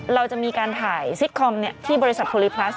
เราจะมีการถ่ายซิตคอมที่บริษัทโพลิพลัส